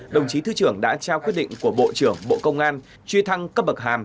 đồng chí thứ trưởng đã trao quyết định của bộ trưởng bộ công an truy thăng cấp bậc hàm